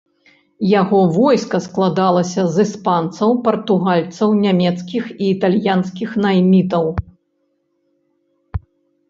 Яго войска складалася з іспанцаў, партугальцаў, нямецкіх і італьянскіх наймітаў.